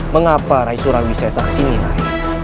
mengapa raih sriwisesta kesini raih